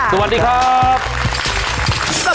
สวัสดีครับ